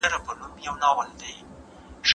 تا ولې په دومره مینه زما خبرې واورېدې؟